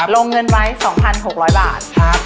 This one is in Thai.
ลงเงินไว้๒๖๐๐บาท